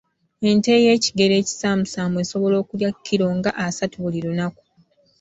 Ente ey’ekigero ekisaamusaamu esobola okulya kkilo nga asatu buli lunaku.